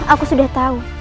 aku sudah tahu